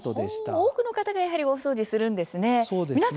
多くの方がやはり大掃除するんですね。